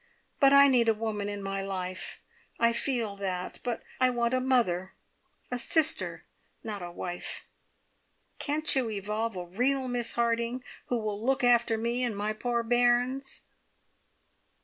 But I need a woman in my life. I feel that but I want a mother, a sister, not a wife. Can't you evolve a real Miss Harding, who will look after me and my poor bairns?"